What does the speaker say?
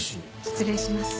失礼します。